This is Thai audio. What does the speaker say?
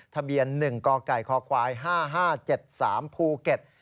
ทะเบียน๑กกคควาย๕๕๗๓ภูเก็ต